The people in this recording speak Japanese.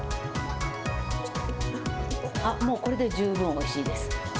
あっ、もうこれで十分おいしいです。